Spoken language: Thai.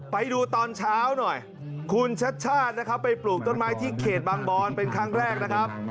ไปดูตอนเช้าหน่อยคุณชัดชาตินะครับไปปลูกต้นไม้ที่เขตบางบอนเป็นครั้งแรกนะครับ